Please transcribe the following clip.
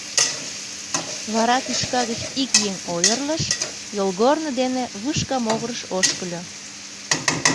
Вара тӱшка гыч ик еҥ ойырлыш, йолгорно дене вышка могырыш ошкыльо.